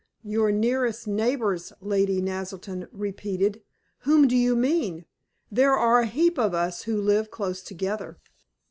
"Your nearest neighbors!" Lady Naselton repeated. "Whom do you mean? There are a heap of us who live close together."